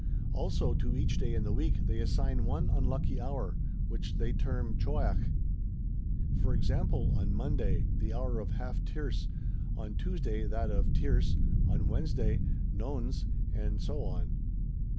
[Also to each day in the week they assign one unlucky hour, which they term Choiach. For example, on Monday the hour of Half tierce, on Tuesday that of Tierce, on Wednesday Nones, and so on.